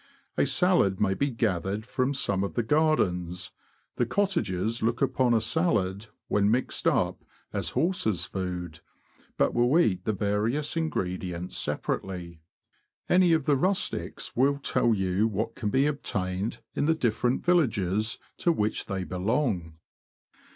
A salad may be gathered from some of the gardens ; the cottagers look upon a salad, when mixed up, as horses' food, but will eat the various ingredients separately. Any of the rustics will tell you what can be obtained in the different villages to which they belong.